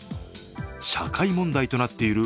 社会問題となっている